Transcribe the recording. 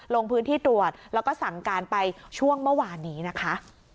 ลงพื้นที่ตรวจแล้วก็สั่งการไปช่วงเมื่อวานนี้นะคะ